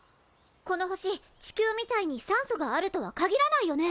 この星地球みたいに酸素があるとは限らないよね？